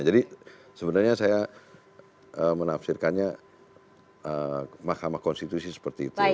jadi sebenarnya saya menafsirkannya mahkamah konstitusi seperti itu